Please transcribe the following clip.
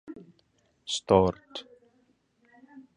See also the list of Metropolitan areas of Mexico.